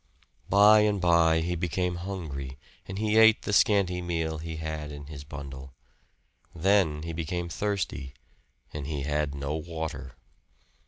By and by he became hungry and he ate the scanty meal he had in his bundle. Then he became thirsty and he had no water.